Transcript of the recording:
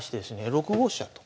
６五飛車と。